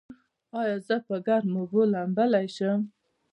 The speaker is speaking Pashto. ایا زه په ګرمو اوبو لامبلی شم؟